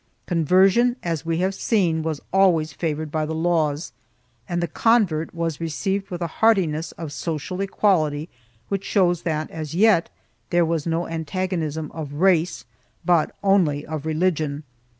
Conversion, as we have seen, was always favored by the laws and the convert was received with a heartiness of social equality which shows that as yet there was no antagonism of race but only of religion.